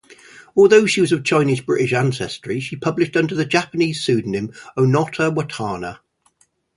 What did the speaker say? Although she was of Chinese-British ancestry, she published under the Japanese pseudonym Onoto Watanna.